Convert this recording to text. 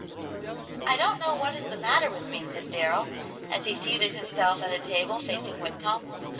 "I don't know what is the matter with me," said Darrell, as he seated himself at a table, facing Whitcomb.